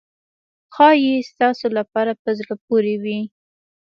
ښایي ستاسو لپاره په زړه پورې وي.